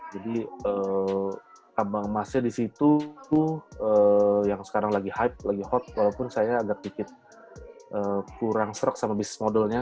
jadi yang sekarang lagi hype lagi hot walaupun saya agak sedikit kurang serak sama bis modelnya